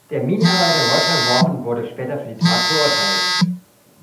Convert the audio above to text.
Der Minenarbeiter Roger Warren wurde später für die Tat verurteilt.